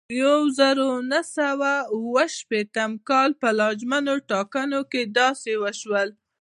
د یوه زرو نهه سوه اوه شپېتم کال په لانجمنو ټاکنو کې داسې وشول.